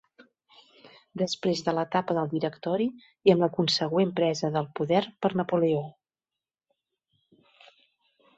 Després de l'etapa del directori i amb la consegüent presa del poder per Napoleó.